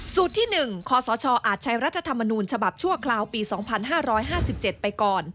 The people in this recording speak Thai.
ที่๑คศอาจใช้รัฐธรรมนูญฉบับชั่วคราวปี๒๕๕๗ไปก่อน